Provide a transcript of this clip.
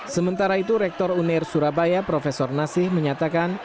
sementara itu rektor uner surabaya prof nasih menyatakan